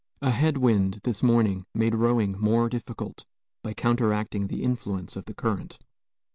A head wind this morning made rowing more difficult, by counteracting the influence of the current.